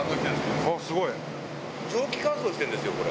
蒸気乾燥してるんですよ、これ。